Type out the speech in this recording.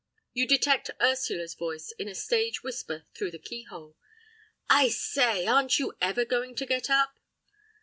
You detect Ursula's voice in a stage whisper through the keyhole. "I say—aren't you ever going to get up?"